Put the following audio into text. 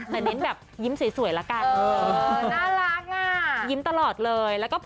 แต่เน้นแบบยิ้มสวยละกัน